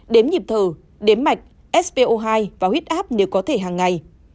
đếm nhịp thở đếm mạch spo hai và huyết áp nếu có thể hàng ngày